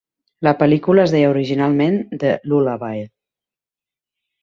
La pel·lícula es deia originalment "The Lullaby".